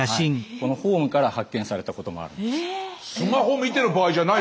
このホームから発見されたこともあるんです。